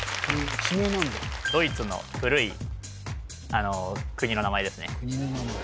地名なんだドイツの古い国の名前ですね